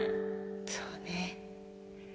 そうね